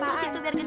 harus itu biar gede